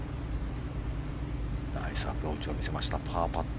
ナイスアプローチを見せました、パーパット。